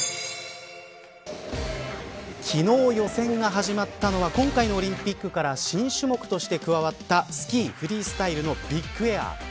昨日予選が始まったのは今回のオリンピックから新種目として加わったスキーフリースタイルのビッグエア。